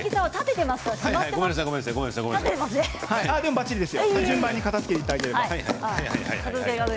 ばっちりですよ。